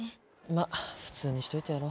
まっ普通にしといてやろ。